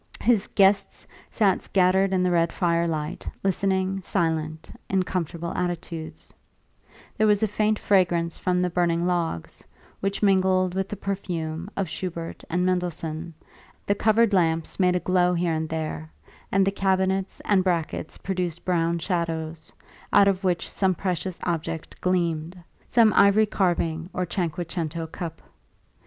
His guests sat scattered in the red firelight, listening, silent, in comfortable attitudes; there was a faint fragrance from the burning logs, which mingled with the perfume of Schubert and Mendelssohn; the covered lamps made a glow here and there, and the cabinets and brackets produced brown shadows, out of which some precious object gleamed some ivory carving or cinque cento cup.